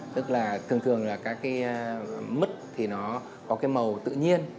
tức là thường thường là các cái mứt thì nó có cái màu tự nhiên